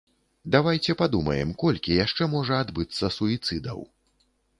Давайце падумаем, колькі яшчэ можа адбыцца суіцыдаў.